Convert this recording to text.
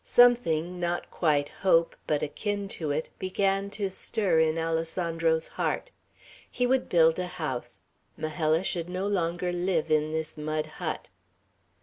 Something, not quite hope, but akin to it, began to stir in Alessandro's heart. He would build a house; Majella should no longer live in this mud hut.